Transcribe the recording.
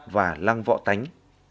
và lăng vọ tánh